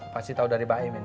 pasti tau dari baim ini